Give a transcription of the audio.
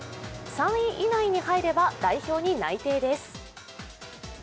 ３位以内に入れば代表に内定です。